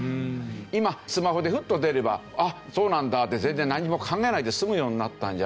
今スマホでフッと出れば「あっそうなんだ」で全然何も考えないで済むようになったんじゃないか。